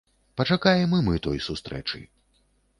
Пачакаем і мы той сустрэчы.